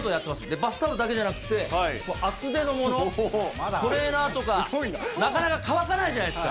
バスタオルだけじゃなくて、厚手のもの、トレーナーとかなかなか乾かないじゃないですか。